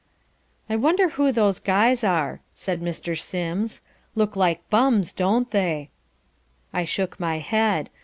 "I wonder who those guys are," said Mr. Sims. "Look like bums, don't they?" I shook my head.